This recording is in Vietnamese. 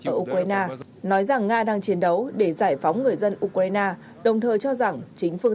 ở ukraine nói rằng nga đang chiến đấu để giải phóng người dân ukraine đồng thời cho rằng chính phương